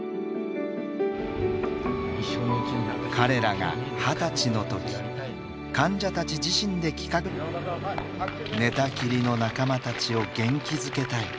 彼らが２０歳の時患者たち自身で企画したのが寝たきりの仲間たちを元気づけたい。